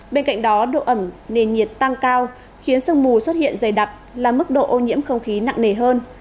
bên cạnh đó độ ẩm nền nhiệt tăng cao khiến sương mù xuất hiện dày đặc là mức độ ô nhiễm không khí nặng nề hơn